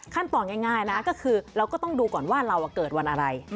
ง่ายนะก็คือเราก็ต้องดูก่อนว่าเราเกิดวันอะไร